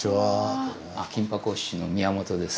金箔押師の宮本です。